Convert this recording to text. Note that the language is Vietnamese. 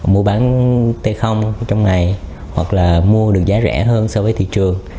mua bán t trong ngày hoặc là mua được giá rẻ hơn so với thị trường